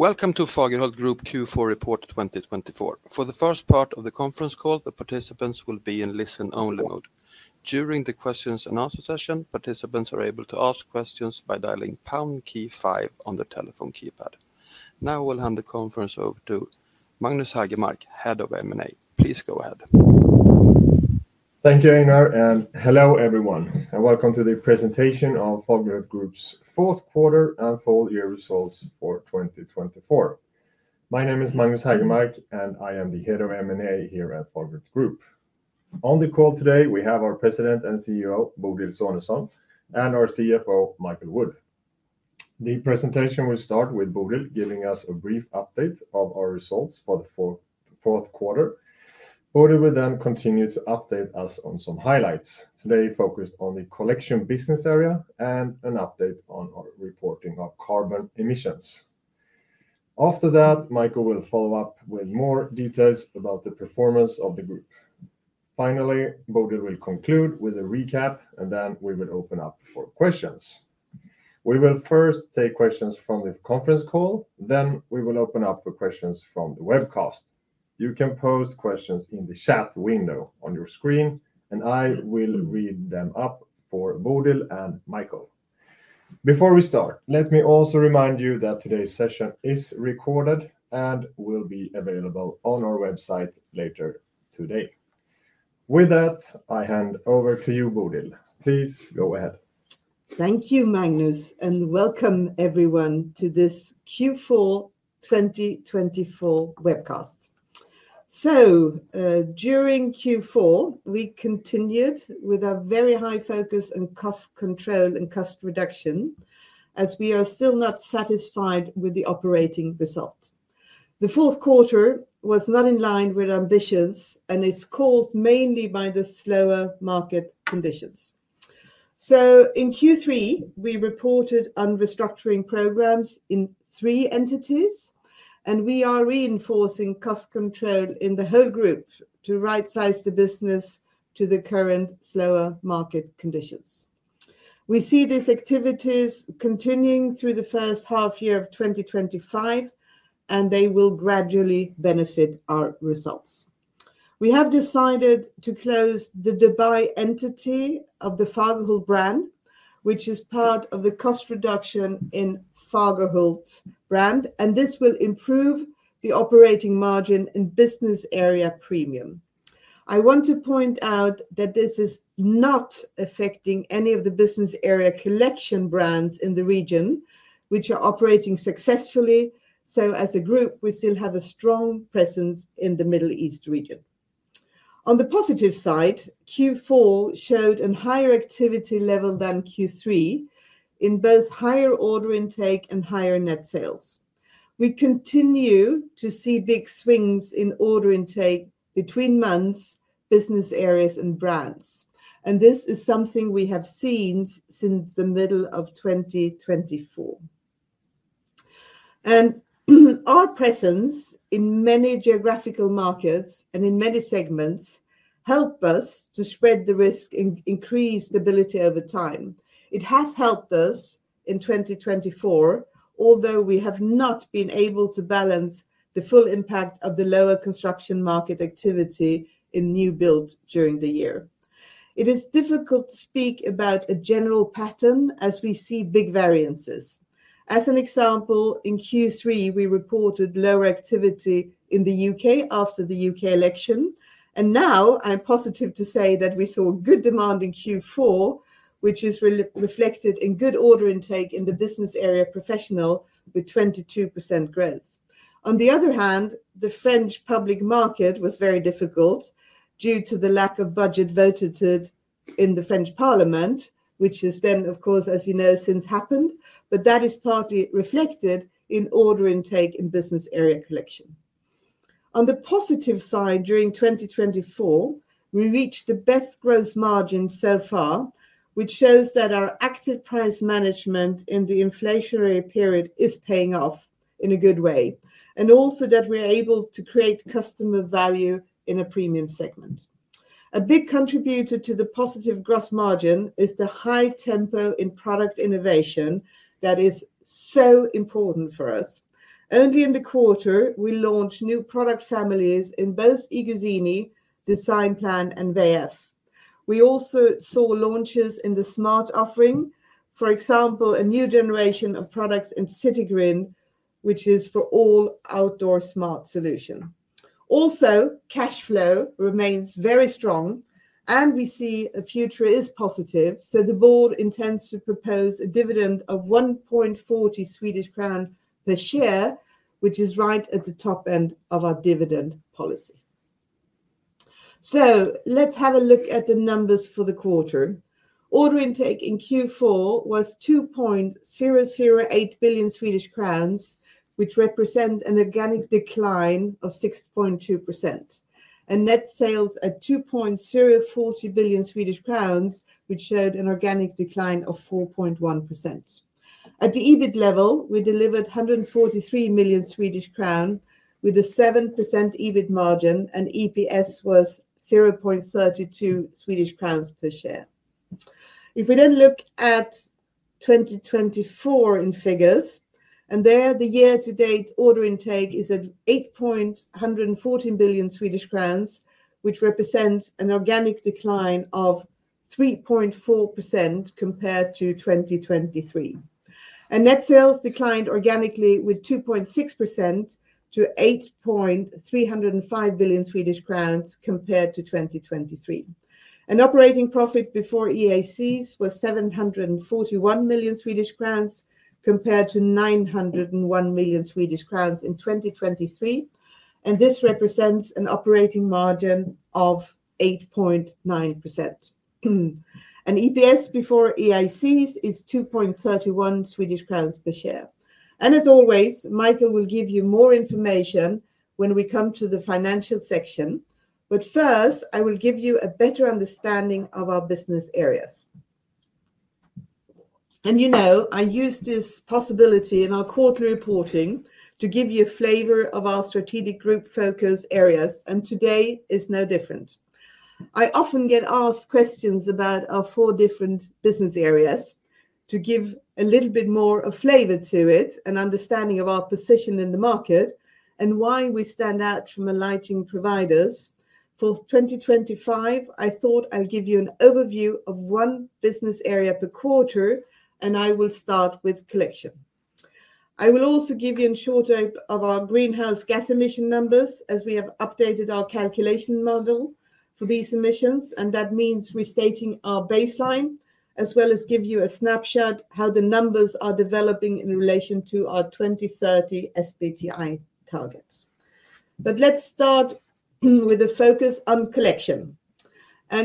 Welcome to Fagerhult Group Q4 Report 2024. For the first part of the conference call, the participants will be in listen-only mode. During the questions and answer session, participants are able to ask questions by dialing pound key five on the telephone keypad. Now we'll hand the conference over to Magnus Haegermark, Head of M&A. Please go ahead. Thank you, Einar, and hello everyone, and welcome to the presentation of Fagerhult Group's fourth quarter and full year results for 2024. My name is Magnus Haegermark, and I am the Head of M&A here at Fagerhult Group. On the call today, we have our President and CEO, Bodil Sonesson, and our CFO, Michael Wood. The presentation will start with Bodil giving us a brief update of our results for the fourth quarter. Bodil will then continue to update us on some highlights, today focused on the Collection business area and an update on our reporting of carbon emissions. After that, Michael will follow up with more details about the performance of the group. Finally, Bodil will conclude with a recap, and then we will open up for questions. We will first take questions from the conference call, then we will open up for questions from the webcast. You can post questions in the chat window on your screen, and I will read them up for Bodil and Michael. Before we start, let me also remind you that today's session is recorded and will be available on our website later today. With that, I hand over to you, Bodil. Please go ahead. Thank you, Magnus, and welcome everyone to this Q4 2024 webcast. So during Q4, we continued with a very high focus on cost control and cost reduction as we are still not satisfied with the operating result. The fourth quarter was not in line with ambitions, and it's caused mainly by the slower market conditions. So in Q3, we reported on restructuring programs in three entities, and we are reinforcing cost control in the whole group to right-size the business to the current slower market conditions. We see these activities continuing through the first half year of 2025, and they will gradually benefit our results. We have decided to close the Dubai entity of the Fagerhult brand, which is part of the cost reduction in Fagerhult's brand, and this will improve the operating margin and Business Area Premium. I want to point out that this is not affecting any of the Business Area Collection brands in the region, which are operating successfully, so as a group, we still have a strong presence in the Middle East region. On the positive side, Q4 showed a higher activity level than Q3 in both higher order intake and higher net sales. We continue to see big swings in order intake between months, business areas, and brands, and this is something we have seen since the middle of 2024, and our presence in many geographical markets and in many segments helped us to spread the risk and increase stability over time. It has helped us in 2024, although we have not been able to balance the full impact of the lower construction market activity in new build during the year. It is difficult to speak about a general pattern as we see big variances. As an example, in Q3, we reported lower activity in the U.K. after the U.K. election, and now I'm positive to say that we saw good demand in Q4, which is reflected in good order intake in the Business Area Professional with 22% growth. On the other hand, the French public market was very difficult due to the lack of budget voted in the French parliament, which has then, of course, as you know, since happened, but that is partly reflected in order intake in Business Area Collection. On the positive side, during 2024, we reached the best gross margin so far, which shows that our active price management in the inflationary period is paying off in a good way, and also that we are able to create customer value in a premium segment. A big contributor to the positive gross margin is the high tempo in product innovation that is so important for us. Only in the quarter, we launched new product families in both iGuzzini, Designplan, and WE-EF. We also saw launches in the smart offering, for example, a new generation of products in Citygrid, which is for all outdoor smart solutions. Also, cash flow remains very strong, and we see a future is positive, so the board intends to propose a dividend of 1.40 Swedish crown per share, which is right at the top end of our dividend policy. So let's have a look at the numbers for the quarter. Order intake in Q4 was 2.008 billion Swedish crowns, which represent an organic decline of 6.2%, and net sales at 2.040 billion Swedish crowns, which showed an organic decline of 4.1%. At the EBITDA level, we delivered 143 million Swedish crown with a 7% EBITDA margin, and EPS was 0.32 Swedish crowns per share. If we then look at 2024 in figures, and there the year-to-date order intake is at 8.114 billion Swedish crowns, which represents an organic decline of 3.4% compared to 2023. And net sales declined organically with 2.6% to 8.305 billion Swedish crowns compared to 2023. And operating profit before IACs was 741 million Swedish crowns compared to 901 million Swedish crowns in 2023, and this represents an operating margin of 8.9%. And EPS before IACs is 2.31 Swedish crowns per share. And as always, Michael will give you more information when we come to the financial section, but first, I will give you a better understanding of our business areas. You know, I use this possibility in our quarterly reporting to give you a flavor of our strategic group focus areas, and today is no different. I often get asked questions about our four different business areas to give a little bit more of flavor to it and understanding of our position in the market and why we stand out from the lighting providers. For 2025, I thought I'll give you an overview of one business area per quarter, and I will start with Collection. I will also give you a short overview of our greenhouse gas emission numbers as we have updated our calculation model for these emissions, and that means restating our baseline as well as give you a snapshot of how the numbers are developing in relation to our 2030 SBTi targets. Let's start with a focus on Collection.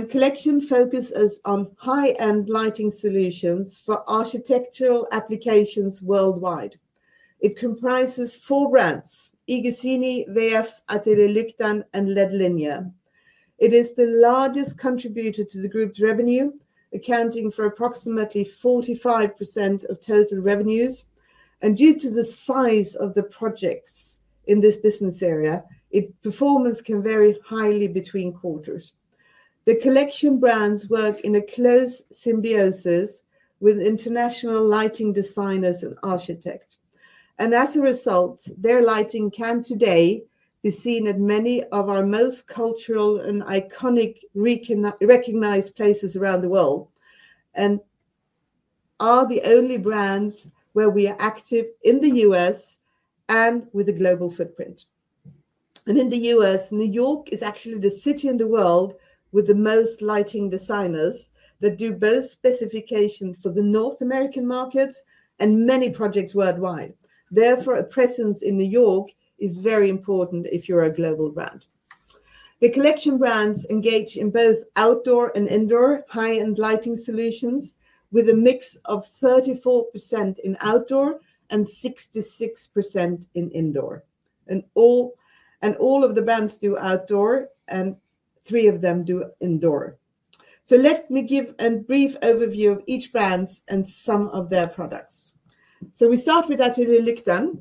Collection focuses on high-end lighting solutions for architectural applications worldwide. It comprises four brands: iGuzzini, WE-EF, Ateljé Lyktan, and LED Linear. It is the largest contributor to the group's revenue, accounting for approximately 45% of total revenues, and due to the size of the projects in this business area, its performance can vary highly between quarters. The collection brands work in a close symbiosis with international lighting designers and architects, and as a result, their lighting can today be seen at many of our most cultural and iconic recognized places around the world and are the only brands where we are active in the U.S. and with a global footprint. In the U.S., New York is actually the city in the world with the most lighting designers that do both specifications for the North American market and many projects worldwide. Therefore, a presence in New York is very important if you're a global brand. The collection brands engage in both outdoor and indoor high-end lighting solutions with a mix of 34% in outdoor and 66% in indoor. All of the brands do outdoor, and three of them do indoor. Let me give a brief overview of each brand and some of their products. We start with Ateljé Lyktan,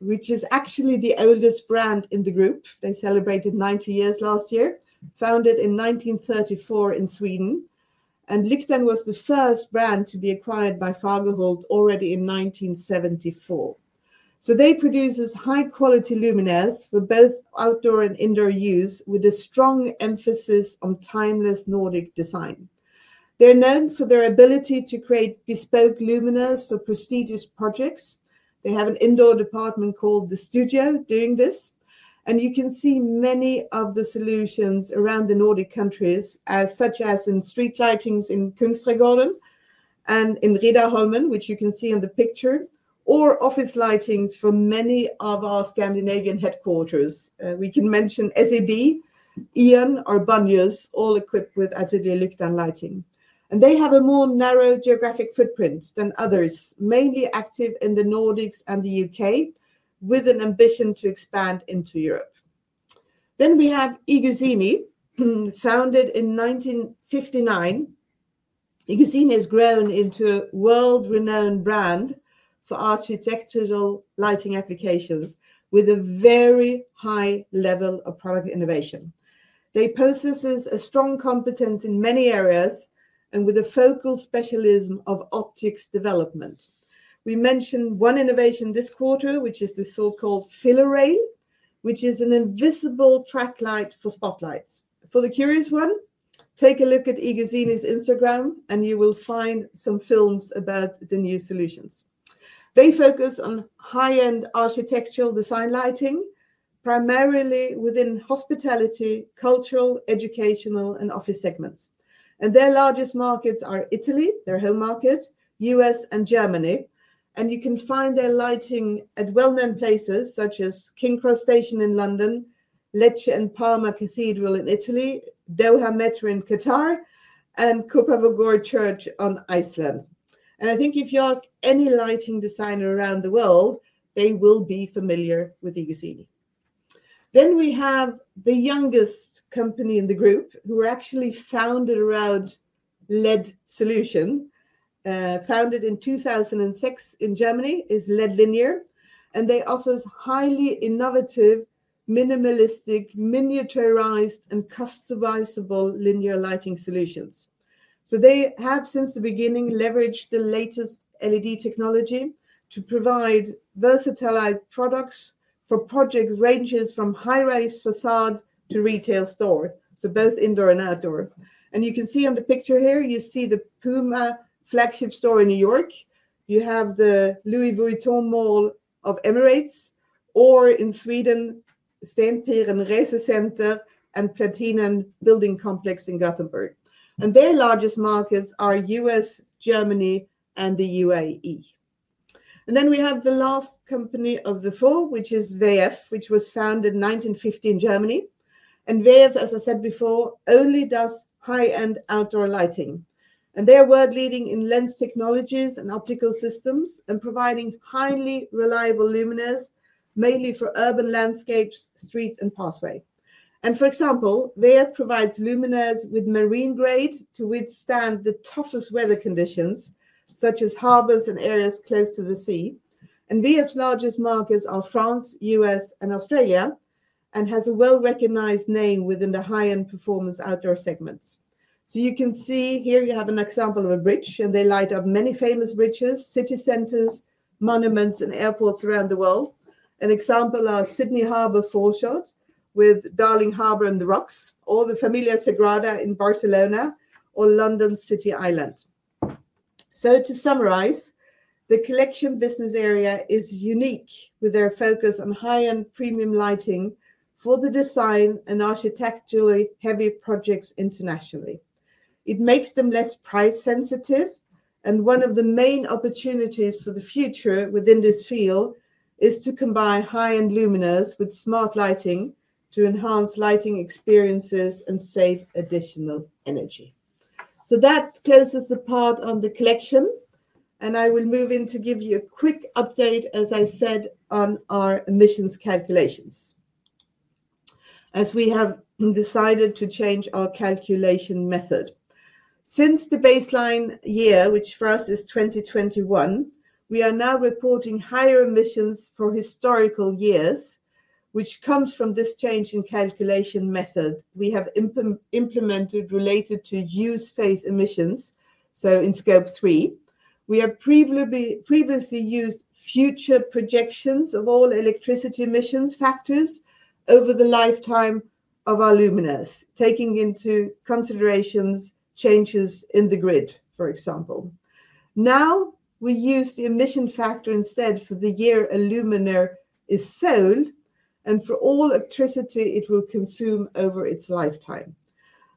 which is actually the oldest brand in the group. They celebrated 90 years last year, founded in 1934 in Sweden, and Lyktan was the first brand to be acquired by Fagerhult already in 1974. They produce high-quality luminaires for both outdoor and indoor use with a strong emphasis on timeless Nordic design. They're known for their ability to create bespoke luminaires for prestigious projects. They have an indoor department called the Studio doing this, and you can see many of the solutions around the Nordic countries, such as in street lightings in Kungsträdgården and in Riddarholmen, which you can see in the picture, or office lightings for many of our Scandinavian headquarters. We can mention Saab, E.ON, or Boliden, all equipped with Ateljé Lyktan lighting, and they have a more narrow geographic footprint than others, mainly active in the Nordics and the U.K. with an ambition to expand into Europe, then we have iGuzzini, founded in 1959. iGuzzini has grown into a world-renowned brand for architectural lighting applications with a very high level of product innovation. They possess a strong competence in many areas and with a focal specialism of optics development. We mentioned one innovation this quarter, which is the so-called Filorail, which is an invisible track light for spotlights. For the curious one, take a look at iGuzzini's Instagram, and you will find some films about the new solutions. They focus on high-end architectural design lighting, primarily within hospitality, cultural, educational, and office segments. And their largest markets are Italy, their home market, the U.S., and Germany. And you can find their lighting at well-known places such as King's Cross Station in London, Lecce and Parma cathedrals in Italy, Doha Metro in Qatar, and Kópavogur Church in Iceland. And I think if you ask any lighting designer around the world, they will be familiar with iGuzzini. Then we have the youngest company in the group who were actually founded around LED solutions. Founded in 2006 in Germany is LED Linear, and they offer highly innovative, minimalistic, miniaturized, and customizable linear lighting solutions. So they have since the beginning leveraged the latest LED technology to provide versatile products for project ranges from high-rise facade to retail store, so both indoor and outdoor. And you can see on the picture here, you see the Puma flagship store in New York. You have the Louis Vuitton Mall of the Emirates, or in Sweden, Stenpiren Resecenter and Platinan Building Complex in Gothenburg. And their largest markets are the U.S., Germany, and the UAE. And then we have the last company of the four, which is WE-EF, which was founded in 1950 in Germany. And WE-EF, as I said before, only does high-end outdoor lighting. And they are world-leading in lens technologies and optical systems and providing highly reliable luminaires, mainly for urban landscapes, streets, and pathways. For example, WE-EF provides luminaires with marine grade to withstand the toughest weather conditions, such as harbors and areas close to the sea. WE-EF's largest markets are France, the U.S., and Australia, and has a well-recognized name within the high-end performance outdoor segments. You can see here you have an example of a bridge, and they light up many famous bridges, city centers, monuments, and airports around the world. An example is Sydney Harbour foreshore with Darling Harbour and The Rocks, or La Sagrada Família in Barcelona, or London City Island. To summarize, the Collection business area is unique with their focus on high-end premium lighting for the design and architecturally heavy projects internationally. It makes them less price-sensitive, and one of the main opportunities for the future within this field is to combine high-end luminaires with smart lighting to enhance lighting experiences and save additional energy. So that closes the part on the collection, and I will move in to give you a quick update, as I said, on our emissions calculations, as we have decided to change our calculation method. Since the baseline year, which for us is 2021, we are now reporting higher emissions for historical years, which comes from this change in calculation method we have implemented related to use phase emissions, so in Scope 3. We have previously used future projections of all electricity emissions factors over the lifetime of our luminaires, taking into consideration changes in the grid, for example. Now we use the emission factor instead for the year a luminaire is sold, and for all electricity it will consume over its lifetime.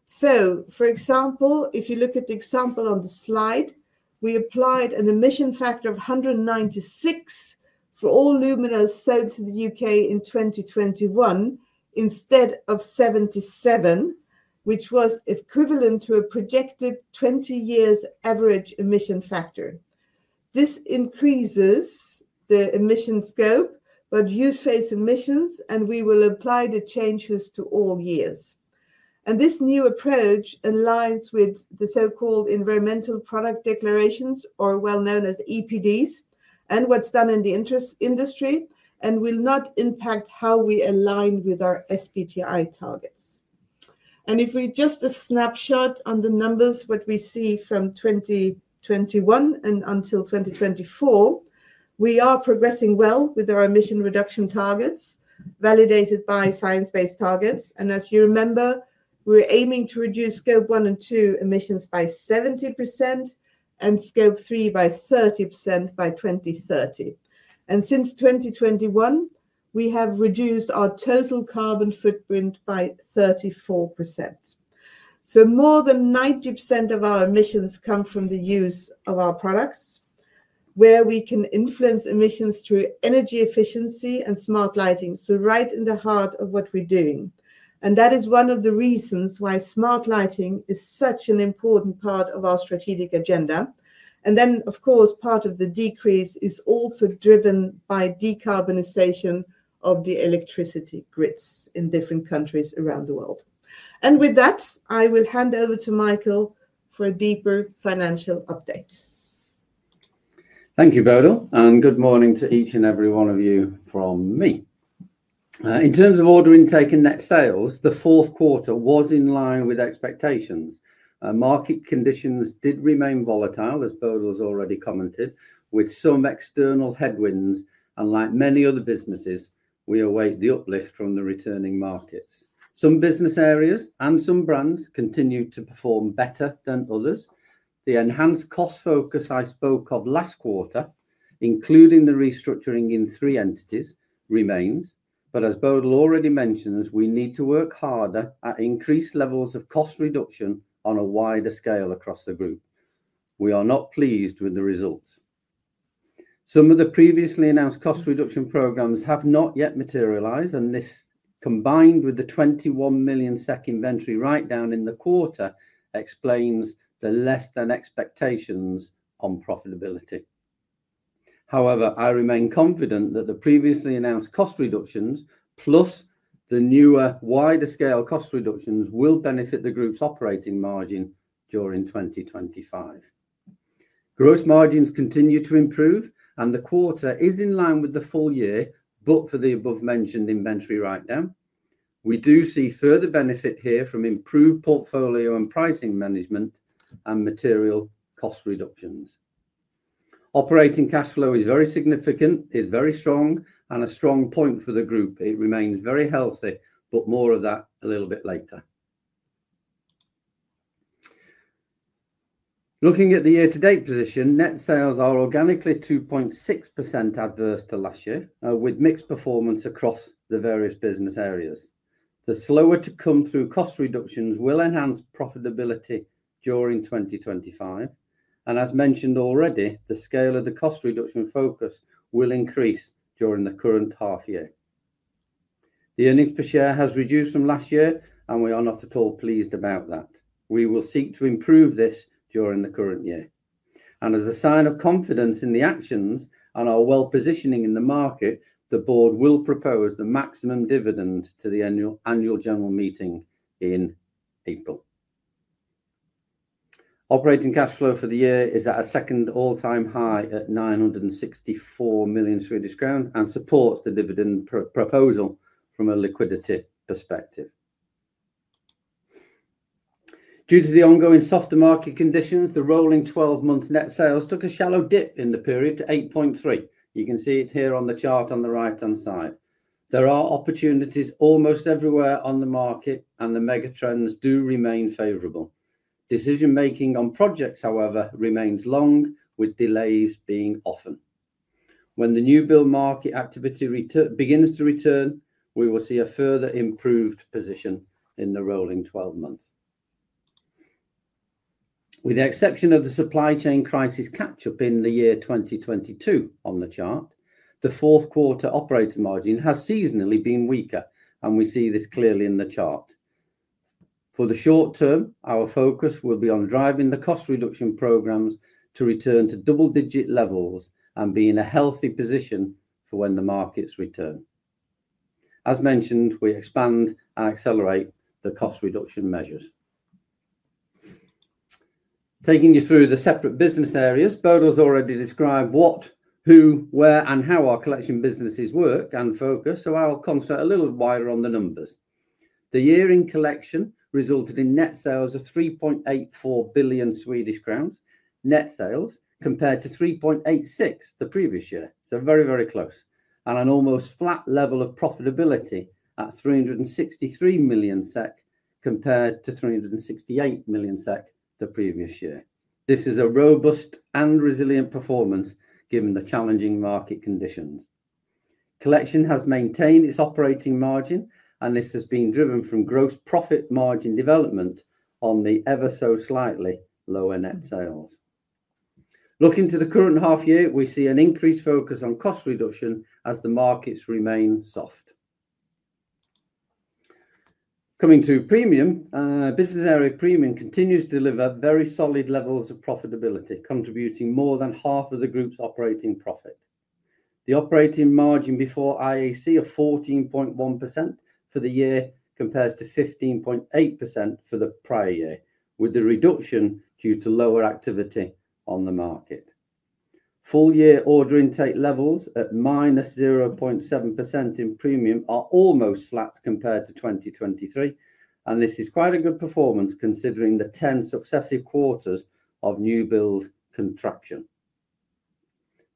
So, for example, if you look at the example on the slide, we applied an emission factor of 196 for all luminaires sold to the U.K. in 2021 instead of 77, which was equivalent to a projected 20-year average emission factor. This increases the emission Scope 3, but use phase emissions, and we will apply the changes to all years. And this new approach aligns with the so-called environmental product declarations, or well-known as EPDs, and what's done in the industry, and will not impact how we align with our SBTi targets. And if we just a snapshot on the numbers, what we see from 2021 and until 2024, we are progressing well with our emission reduction targets validated by science-based targets. As you remember, we're aiming to reduce Scope 1 and 2 emissions by 70% and Scope 3 by 30% by 2030. Since 2021, we have reduced our total carbon footprint by 34%. More than 90% of our emissions come from the use of our products, where we can influence emissions through energy efficiency and smart lighting. Right in the heart of what we're doing. That is one of the reasons why smart lighting is such an important part of our strategic agenda. Then, of course, part of the decrease is also driven by decarbonization of the electricity grids in different countries around the world. With that, I will hand over to Michael for a deeper financial update. Thank you, Bodil. Good morning to each and every one of you from me. In terms of order intake and net sales, the fourth quarter was in line with expectations. Market conditions did remain volatile, as Bodil has already commented, with some external headwinds. And like many other businesses, we await the uplift from the returning markets. Some business areas and some brands continue to perform better than others. The enhanced cost focus I spoke of last quarter, including the restructuring in three entities, remains. But as Bodil already mentioned, we need to work harder at increased levels of cost reduction on a wider scale across the group. We are not pleased with the results. Some of the previously announced cost reduction programs have not yet materialized, and this combined with the 21 million SEK inventory write-down in the quarter explains the less-than-expectations on profitability. However, I remain confident that the previously announced cost reductions, plus the newer wider-scale cost reductions, will benefit the group's operating margin during 2025. Gross margins continue to improve, and the quarter is in line with the full year, but for the above-mentioned inventory write-down, we do see further benefit here from improved portfolio and pricing management and material cost reductions. Operating cash flow is very significant, is very strong, and a strong point for the group. It remains very healthy, but more of that a little bit later. Looking at the year-to-date position, net sales are organically 2.6% adverse to last year, with mixed performance across the various business areas. The slower to come through cost reductions will enhance profitability during 2025, and as mentioned already, the scale of the cost reduction focus will increase during the current half year. The earnings per share has reduced from last year, and we are not at all pleased about that. We will seek to improve this during the current year, and as a sign of confidence in the actions and our well-positioning in the market, the board will propose the maximum dividend to the Annual General Meeting in April. Operating cash flow for the year is at a second all-time high at 964 million Swedish crowns and supports the dividend proposal from a liquidity perspective. Due to the ongoing softer market conditions, the rolling 12-month net sales took a shallow dip in the period to 8.3. You can see it here on the chart on the right-hand side. There are opportunities almost everywhere on the market, and the megatrends do remain favorable. Decision-making on projects, however, remains long, with delays being often. When the new build market activity begins to return, we will see a further improved position in the rolling 12 months. With the exception of the supply chain crisis catch-up in the year 2022 on the chart, the fourth quarter operating margin has seasonally been weaker, and we see this clearly in the chart. For the short term, our focus will be on driving the cost reduction programs to return to double-digit levels and be in a healthy position for when the markets return. As mentioned, we expand and accelerate the cost reduction measures. Taking you through the separate business areas, Bodil has already described what, who, where, and how our collection businesses work and focus, so I'll concentrate a little wider on the numbers. The year-end collection resulted in net sales of 3.84 billion Swedish crowns net sales compared to 3.86 billion SEK the previous year. So very, very close. An almost flat level of profitability at 363 million SEK compared to 368 million SEK the previous year. This is a robust and resilient performance given the challenging market conditions. Collection has maintained its operating margin, and this has been driven from gross profit margin development on the ever so slightly lower net sales. Looking to the current half year, we see an increased focus on cost reduction as the markets remain soft. Coming to premium, Business Area Premium continues to deliver very solid levels of profitability, contributing more than half of the group's operating profit. The operating margin before IAC of 14.1% for the year compares to 15.8% for the prior year, with the reduction due to lower activity on the market. Full-year order intake levels at -0.7% in Premium are almost flat compared to 2023, and this is quite a good performance considering the 10 successive quarters of new build contraction.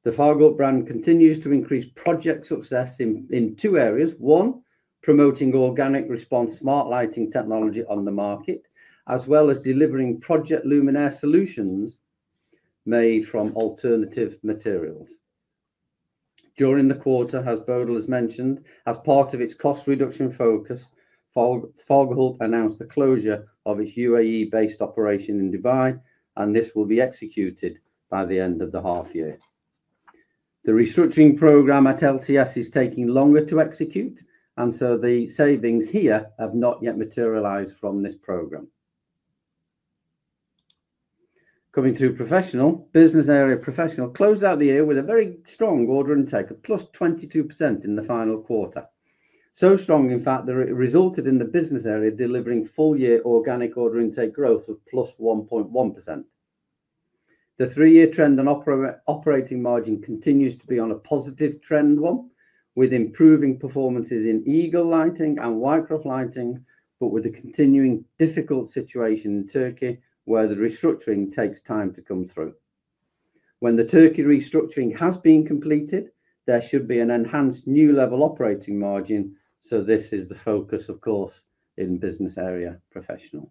The Fagerhult brand continues to increase project success in two areas. One, promoting Organic Response smart lighting technology on the market, as well as delivering project luminaires solutions made from alternative materials. During the quarter, as Bodil has mentioned, as part of its cost reduction focus, Fagerhult announced the closure of its UAE-based operation in Dubai, and this will be executed by the end of the half year. The restructuring program at LTS is taking longer to execute, and so the savings here have not yet materialized from this program. Coming to Professional, Business Area Professional closed out the year with a very strong order intake of +22% in the final quarter. So strong, in fact, that it resulted in the business area delivering full-year organic order intake growth of 1.1%. The three-year trend on operating margin continues to be on a positive trend, with improving performances in Eagle Lighting and Whitecroft Lighting, but with the continuing difficult situation in Turkey, where the restructuring takes time to come through. When the Turkey restructuring has been completed, there should be an enhanced new level operating margin, so this is the focus, of course, in Business Area Professional.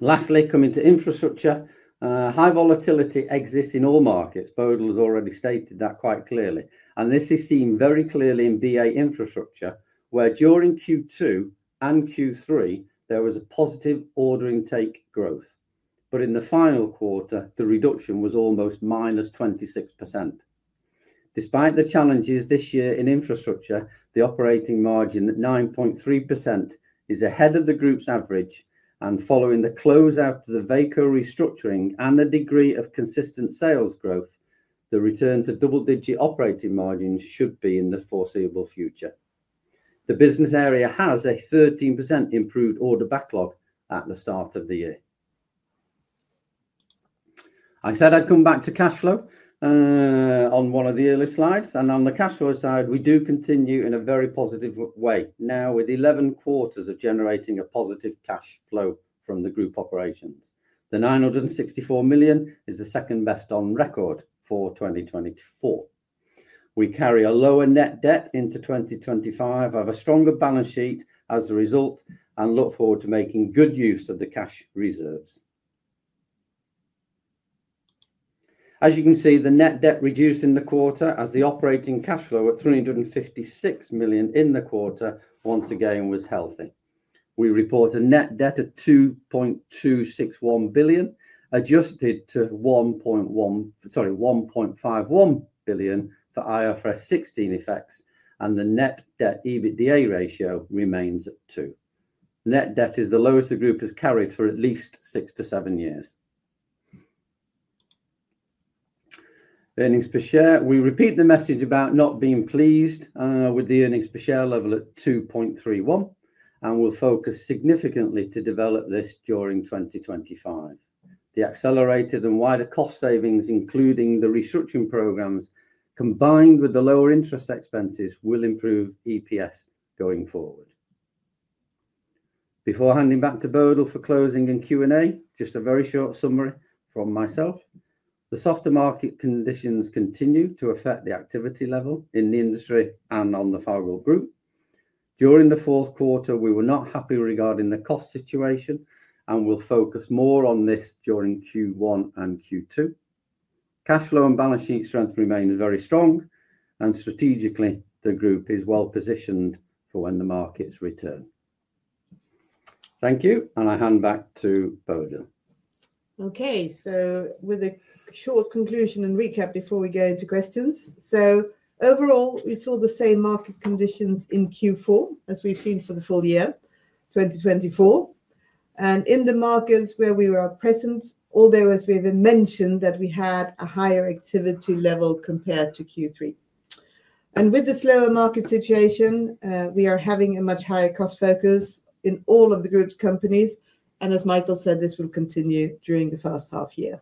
Lastly, coming to infrastructure, high volatility exists in all markets. Bodil has already stated that quite clearly. This is seen very clearly in BA Infrastructure, where during Q2 and Q3, there was a positive order intake growth. In the final quarter, the reduction was almost -26%. Despite the challenges this year in infrastructure, the operating margin at 9.3% is ahead of the group's average, and following the closeout to the Veko restructuring and the degree of consistent sales growth, the return to double-digit operating margin should be in the foreseeable future. The business area has a 13% improved order backlog at the start of the year. I said I'd come back to cash flow on one of the earlier slides, and on the cash flow side, we do continue in a very positive way, now with 11 quarters of generating a positive cash flow from the group operations. The 964 million is the second best on record for 2024. We carry a lower net debt into 2025, have a stronger balance sheet as a result, and look forward to making good use of the cash reserves. As you can see, the net debt reduced in the quarter as the operating cash flow at 356 million in the quarter once again was healthy. We report a net debt of 2.261 billion, adjusted to 1.51 billion for IFRS 16 effects, and the net debt EBITDA ratio remains at 2. Net debt is the lowest the group has carried for at least six to seven years. Earnings per share, we repeat the message about not being pleased with the earnings per share level at 2.31, and we'll focus significantly to develop this during 2025. The accelerated and wider cost savings, including the restructuring programs, combined with the lower interest expenses, will improve EPS going forward. Before handing back to Bodil for closing and Q&A, just a very short summary from myself. The softer market conditions continue to affect the activity level in the industry and on the Fagerhult group. During the fourth quarter, we were not happy regarding the cost situation, and we'll focus more on this during Q1 and Q2. Cash flow and balance sheet strength remains very strong, and strategically, the group is well positioned for when the markets return. Thank you, and I hand back to Bodil. Okay, so with a short conclusion and recap before we go into questions, so overall, we saw the same market conditions in Q4 as we've seen for the full year, 2024, and in the markets where we were present, although as we have mentioned, that we had a higher activity level compared to Q3, and with this lower market situation, we are having a much higher cost focus in all of the group's companies, and as Michael said, this will continue during the first half year.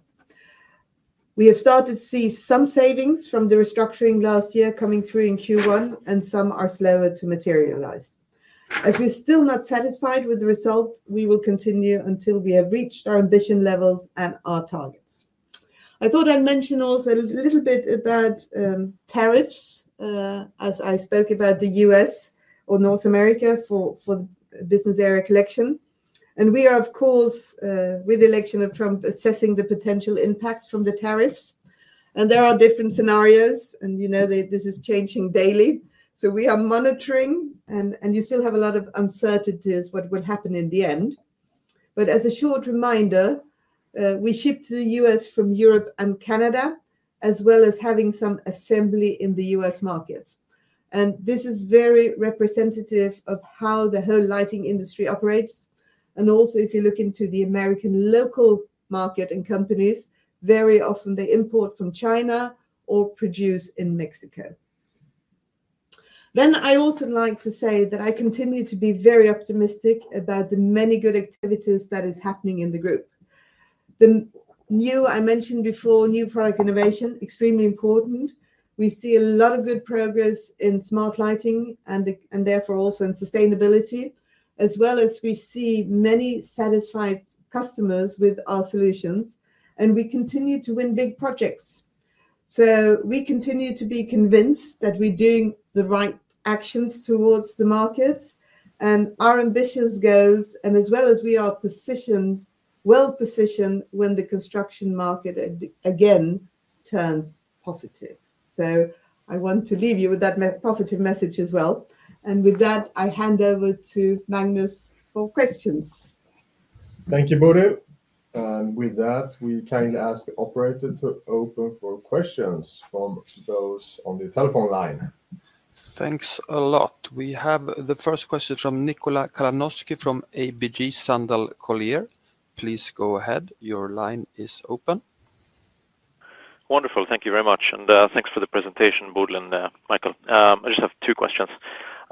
We have started to see some savings from the restructuring last year coming through in Q1, and some are slower to materialize. As we're still not satisfied with the result, we will continue until we have reached our ambition levels and our targets. I thought I'd mention also a little bit about tariffs as I spoke about the U.S. or North America for Business Area Collection. And we are, of course, with the election of Trump, assessing the potential impacts from the tariffs. And there are different scenarios, and you know this is changing daily. So we are monitoring, and you still have a lot of uncertainties what will happen in the end. But as a short reminder, we ship to the U.S. from Europe and Canada, as well as having some assembly in the U.S. markets. And this is very representative of how the whole lighting industry operates. Also, if you look into the American local market and companies, very often they import from China or produce in Mexico. I also like to say that I continue to be very optimistic about the many good activities that are happening in the group. The new, I mentioned before, new product innovation [is] extremely important. We see a lot of good progress in smart lighting and therefore also in sustainability. We see many satisfied customers with our solutions. We continue to win big projects. We continue to be convinced that we're doing the right actions towards the markets. Our ambitions go as well as we are positioned, well positioned when the construction market again turns positive. I want to leave you with that positive message as well. With that, I hand over to Magnus for questions. Thank you, Bodil. And with that, we kindly ask the operator to open for questions from those on the telephone line. Thanks a lot. We have the first question from Nikola Kalanoski from ABG Sundal Collier. Please go ahead. Your line is open. Wonderful. Thank you very much. And thanks for the presentation, Bodil and Michael. I just have two questions.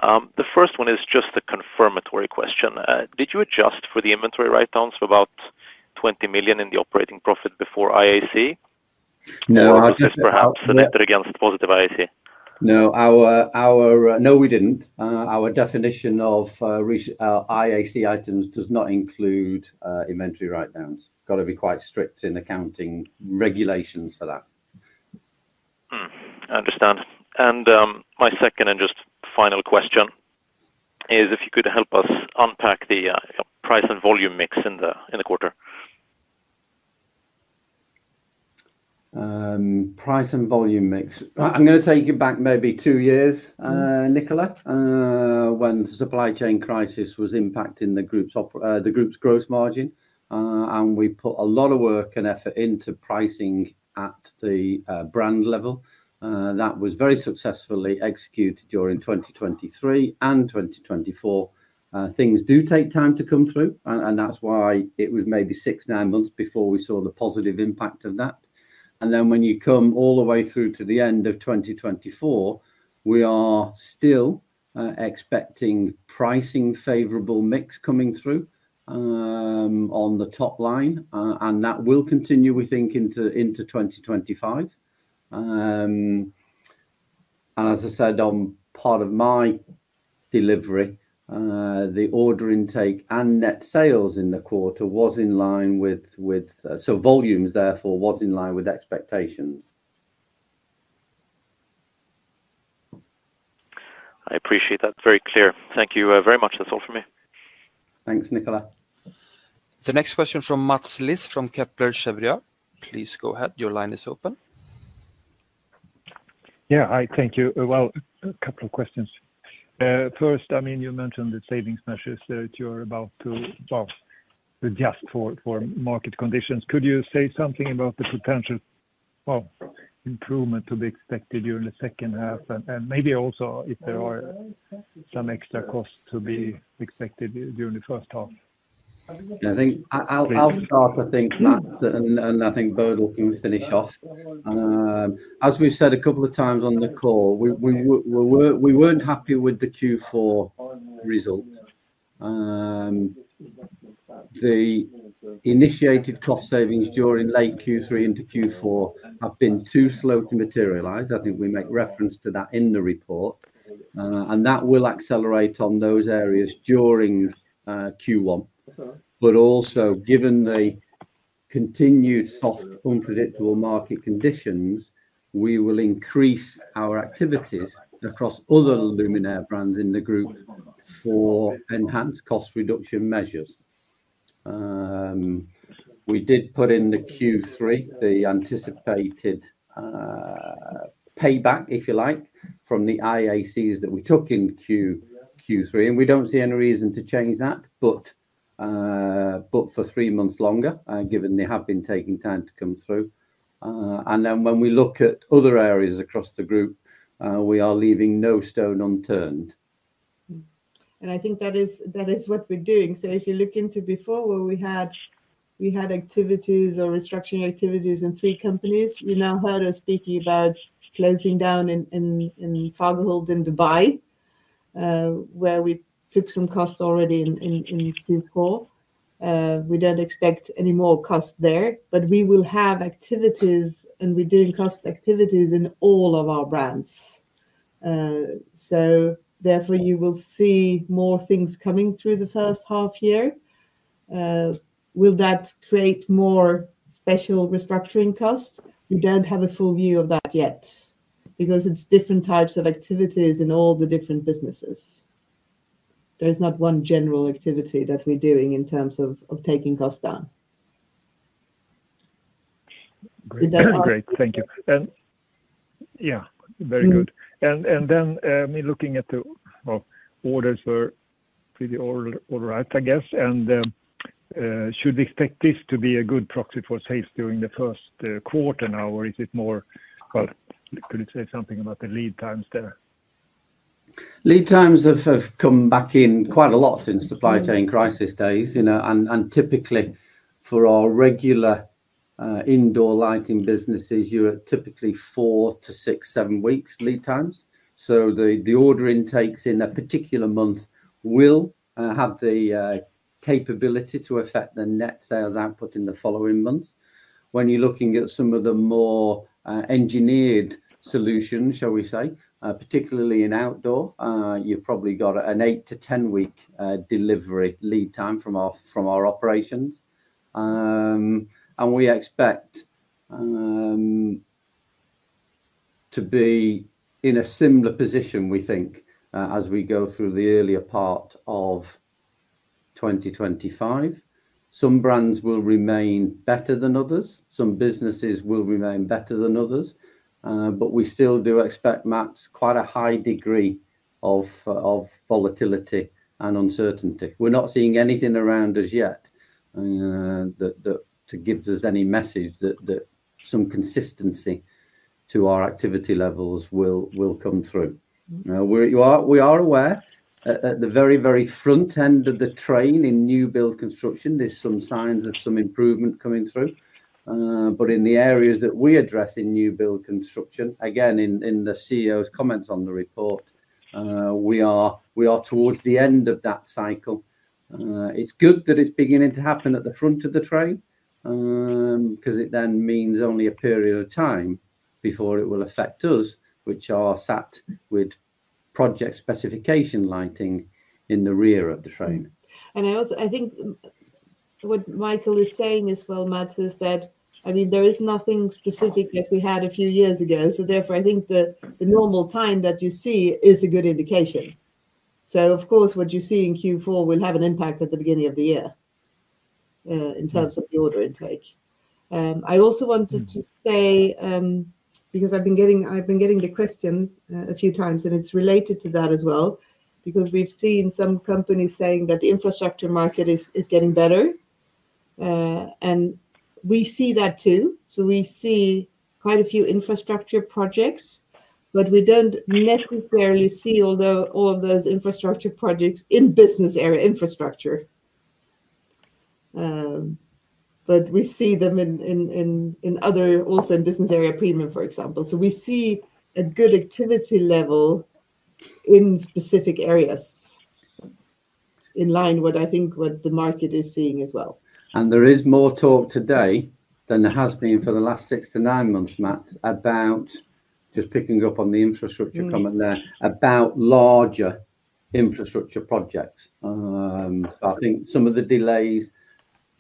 The first one is just a confirmatory question. Did you adjust for the inventory write-downs for about 20 million in the operating profit before IAC? Or was this perhaps selected against positive IAC? No, our—no, we didn't. Our definition of IAC items does not include inventory write-downs. Got to be quite strict in accounting regulations for that. I understand. And my second and just final question is if you could help us unpack the price and volume mix in the quarter. Price and volume mix. I'm going to take you back maybe two years, Nikola, when the supply chain crisis was impacting the group's gross margin. We put a lot of work and effort into pricing at the brand level. That was very successfully executed during 2023 and 2024. Things do take time to come through, and that's why it was maybe six, nine months before we saw the positive impact of that. Then when you come all the way through to the end of 2024, we are still expecting pricing favorable mix coming through on the top line. That will continue, we think, into 2025. As I said, on part of my delivery, the order intake and net sales in the quarter was in line with, so volumes, therefore, was in line with expectations. I appreciate that. Very clear. Thank you very much. That's all from me. Thanks, Nikola. The next question is from Mats Liss from Kepler Cheuvreux. Please go ahead. Your line is open. Yeah, thank you. Well, a couple of questions. First, I mean, you mentioned the savings measures that you're about to well, just for market conditions. Could you say something about the potential improvement to be expected during the second half? And maybe also if there are some extra costs to be expected during the first half. I think I'll start, I think, Mats, and I think Bodil can finish off. As we've said a couple of times on the call, we weren't happy with the Q4 result. The initiated cost savings during late Q3 into Q4 have been too slow to materialize. I think we make reference to that in the report. And that will accelerate on those areas during Q1. But also, given the continued soft unpredictable market conditions, we will increase our activities across other luminaire brands in the group for enhanced cost reduction measures. We did put in Q3 the anticipated payback, if you like, from the IACs that we took in Q3. And we don't see any reason to change that, but for three months longer, given they have been taking time to come through. And then when we look at other areas across the group, we are leaving no stone unturned. And I think that is what we're doing. So if you look into before where we had activities or restructuring activities in three companies, you now heard us speaking about closing down in Fagerhult in Dubai, where we took some costs already in Q4. We don't expect any more costs there, but we will have activities, and we're doing cost activities in all of our brands. So therefore, you will see more things coming through the first half year. Will that create more special restructuring costs? We don't have a full view of that yet because it's different types of activities in all the different businesses. There is not one general activity that we're doing in terms of taking costs down. Great. Thank you. Yeah, very good. And then looking at the orders, we're pretty ordered, I guess. And should we expect this to be a good proxy for sales during the first quarter now, or is it more, well, could you say something about the lead times there? Lead times have come back in quite a lot since supply chain crisis days. Typically, for our regular indoor lighting businesses, you're at typically four to six, seven weeks lead times. So the order intakes in a particular month will have the capability to affect the net sales output in the following month. When you're looking at some of the more engineered solutions, shall we say, particularly in outdoor, you've probably got an eight to ten-week delivery lead time from our operations. And we expect to be in a similar position, we think, as we go through the earlier part of 2025. Some brands will remain better than others. Some businesses will remain better than others. But we still do expect, Mats, quite a high degree of volatility and uncertainty. We're not seeing anything around us yet that gives us any message that some consistency to our activity levels will come through. We are aware at the very, very front end of the train in new build construction. There's some signs of some improvement coming through, but in the areas that we address in new build construction, again, in the CEO's comments on the report, we are towards the end of that cycle. It's good that it's beginning to happen at the front of the train because it then means only a period of time before it will affect us, which are sat with project specification lighting in the rear of the train, And I think what Michael is saying as well, Mats, is that, I mean, there is nothing specific as we had a few years ago, so therefore, I think the normal time that you see is a good indication. Of course, what you see in Q4 will have an impact at the beginning of the year in terms of the order intake. I also wanted to say, because I've been getting the question a few times, and it's related to that as well, because we've seen some companies saying that the infrastructure market is getting better. We see that too. We see quite a few infrastructure projects, but we don't necessarily see all those infrastructure projects in business area infrastructure. We see them in other also in Business Area Premium, for example. We see a good activity level in specific areas in line with, I think, what the market is seeing as well. There is more talk today than there has been for the last six to nine months, Mats, about just picking up on the infrastructure comment there, about larger infrastructure projects. I think some of the delays,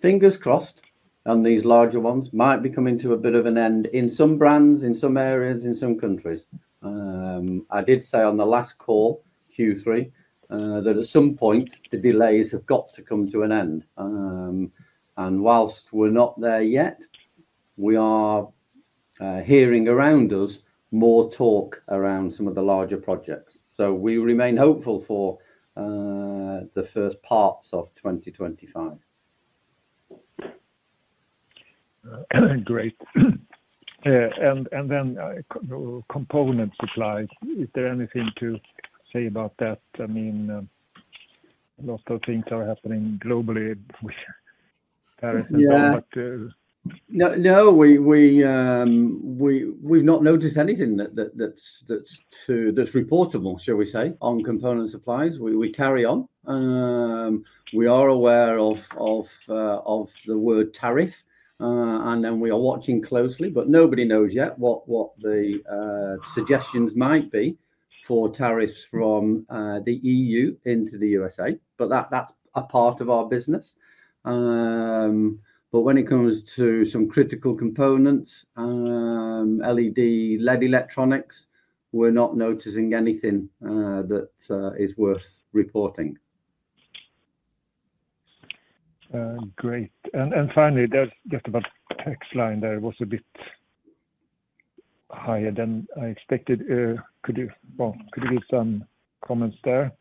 fingers crossed, on these larger ones might be coming to a bit of an end in some brands, in some areas, in some countries. I did say on the last call, Q3, that at some point, the delays have got to come to an end. And while we're not there yet, we are hearing around us more talk around some of the larger projects. So we remain hopeful for the first parts of 2025. Great. And then component supplies, is there anything to say about that? I mean, lots of things are happening globally, tariffs, and so on. No, we've not noticed anything that's reportable, shall we say, on component supplies. We carry on. We are aware of the word tariff, and then we are watching closely, but nobody knows yet what the suggestions might be for tariffs from the EU into the U.S.A. But that's a part of our business. But when it comes to some critical components, LED, LED electronics, we're not noticing anything that is worth reporting. Great. And finally, just about tax line there, it was a bit higher than I expected. Well, could you give some comments there?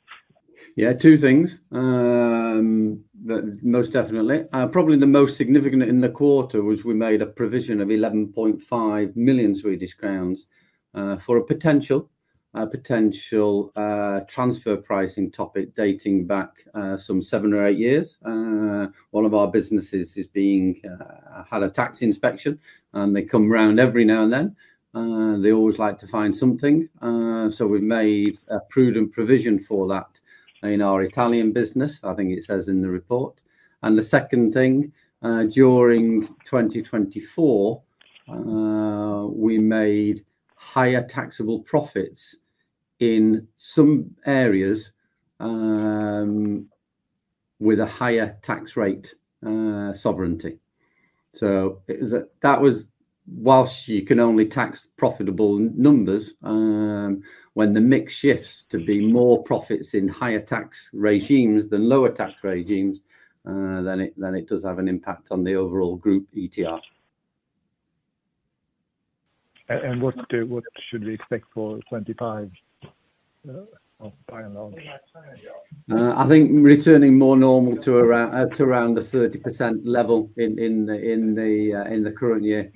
Yeah, two things, most definitely. Probably the most significant in the quarter was we made a provision of 11.5 million Swedish crowns for a potential transfer pricing topic dating back some seven or eight years. One of our businesses has had a tax inspection, and they come around every now and then. They always like to find something. So we've made a prudent provision for that in our Italian business, I think it says in the report. And the second thing, during 2024, we made higher taxable profits in some areas with a higher tax rate sovereignty. So that was while you can only tax profitable numbers, when the mix shifts to be more profits in higher tax regimes than lower tax regimes, then it does have an impact on the overall group ETR. And what should we expect for 25 by and large? I think returning more normal to around a 30% level in the current year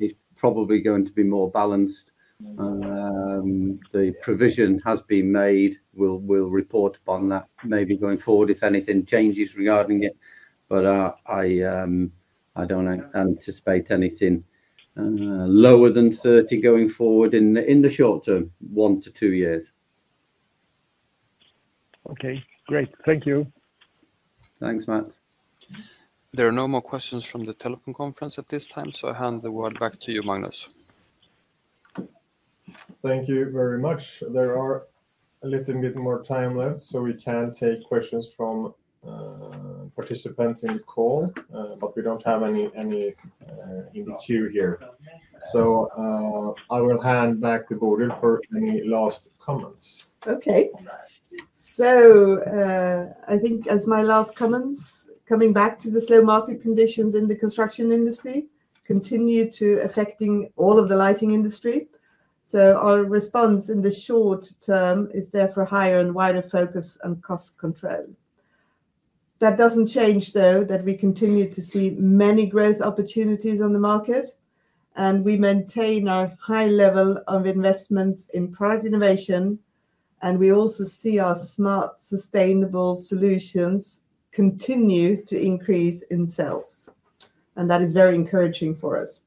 is probably going to be more balanced. The provision has been made. We'll report upon that maybe going forward if anything changes regarding it. But I don't anticipate anything lower than 30 going forward in the short term, one to two years. Okay. Great. Thank you. Thanks, Mats. There are no more questions from the telephone conference at this time, so I hand the word back to you, Magnus. Thank you very much. There are a little bit more time left, so we can take questions from participants in the call, but we don't have any in the queue here. So I will hand back to Bodil for any last comments. Okay. So I think as my last comments, coming back to the slow market conditions in the construction industry continue to affect all of the lighting industry. So our response in the short term is therefore higher and wider focus on cost control. That doesn't change, though, that we continue to see many growth opportunities on the market, and we maintain our high level of investments in product innovation, and we also see our smart sustainable solutions continue to increase in sales. And that is very encouraging for us.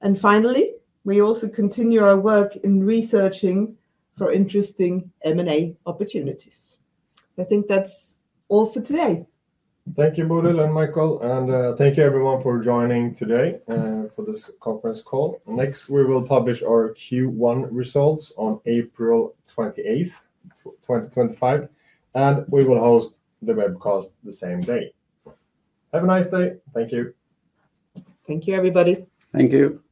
And finally, we also continue our work in researching for interesting M&A opportunities. I think that's all for today. Thank you, Bodil and Michael, and thank you, everyone, for joining today for this conference call. Next, we will publish our Q1 results on April 28th, 2025, and we will host the webcast the same day. Have a nice day. Thank you. Thank you, everybody. Thank you.